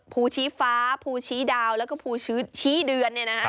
ภูชีฟ้าภูชีดาวแล้วก็ภูชี้เดือน